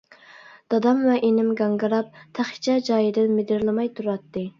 دادام ۋە ئىنىم گاڭگىراپ، تېخىچە جايىدىن مىدىرلىماي تۇراتتى.